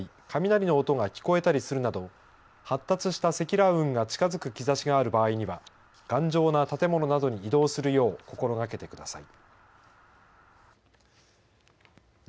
急に冷たい風が強く吹いたり雷の音が聞こえたりするなど発達した積乱雲が近づく兆しがある場合には頑丈な建物などに移動するよう心がけてください。